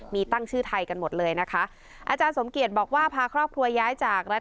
มีตั้งชื่อไทยกันหมดเลยนะคะอาจารย์สมเกียจบอกว่าพาครอบครัวย้ายจากรัฐ